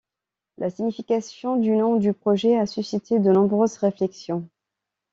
La signification du nom du projet a suscité de nombreuses réflexions.